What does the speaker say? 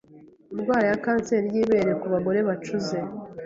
indwara ya kenseri y’ibere ku bagore bacuze